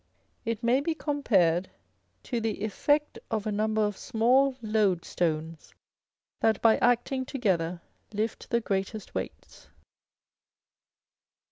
It may be compared to the effect of a number of small loadstones, that by acting together lift the greatest weights.